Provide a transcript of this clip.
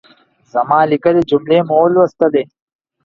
زما ليکلۍ جملې مو ولوستلې؟